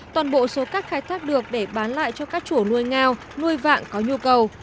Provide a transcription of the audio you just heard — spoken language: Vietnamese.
toàn bộ số cát khai thác được để bán lại cho các chủ nuôi ngao nuôi vạng có nhu cầu